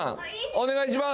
お願いします